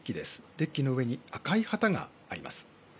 デッキの上に赤い旗があります。